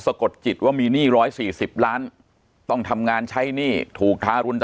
กดจิตว่ามีหนี้๑๔๐ล้านต้องทำงานใช้หนี้ถูกทารุณ